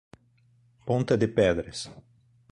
Ponta de Pedras